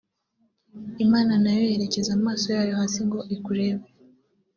Imana nayo yerekeza amaso yayo hasi ngo ikurebe